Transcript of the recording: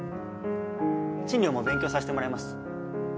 賃料も勉強させてもらいます。